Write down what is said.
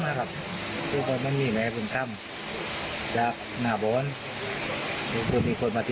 ว่ากลานนี่ไหมบุษธรรมเราได้รับให้ฟังมั้ยวา